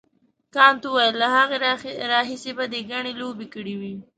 کانت وپوښتل له هغه راهیسې به دې ګڼې لوبې کړې وي.